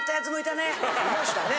いましたね。